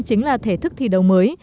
chính là thể thức thi đấu mới